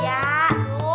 ya ampun ya